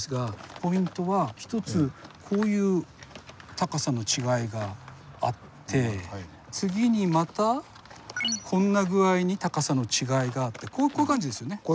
ポイントは一つこういう高さの違いがあって次にまたこんな具合に高さの違いがあってこういう感じですよね。